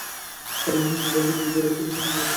শ্রাবণ মাসের তিন তারিখে দিপার একটা পুত্রসন্তান হল।